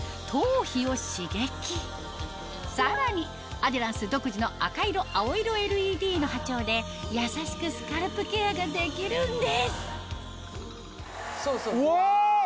アデランス独自の赤色青色ＬＥＤの波長で優しくスカルプケアができるんですうわ！